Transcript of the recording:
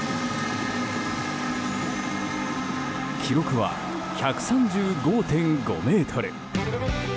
記録は１３５．５ｍ。